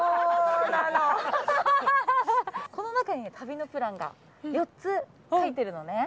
この中に旅のプランが４つ入ってるのね。